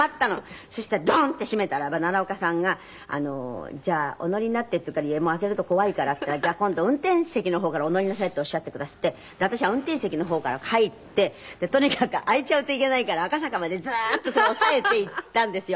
そしてドン！って閉めたらば奈良岡さんが「じゃあお乗りになって」って言うから「開けると怖いから」って言ったら「じゃあ今度運転席の方からお乗りなさい」っておっしゃってくだすって私は運転席の方から入ってとにかく開いちゃうといけないから赤坂までずっとそれを押さえて行ったんですよ。